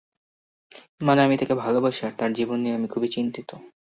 মানে, আমি তাকে ভালোবাসি আর তার জীবন নিয়ে আমি খুবই চিন্তিত।